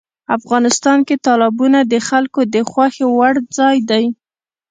افغانستان کې تالابونه د خلکو د خوښې وړ ځای دی.